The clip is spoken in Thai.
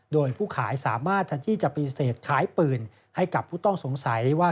โดยผู้ขายสามารถที่จะปฏิเสธขายปืนให้กับผู้ต้องสงสัยได้ว่า